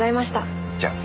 じゃあ。